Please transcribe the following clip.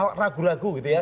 kok ragu ragu gitu ya